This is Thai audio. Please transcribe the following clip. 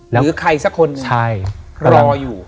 หรือใครสักคนรออยู่